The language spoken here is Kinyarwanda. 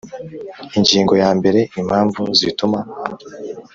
Ingingo ya mbere Impamvu zituma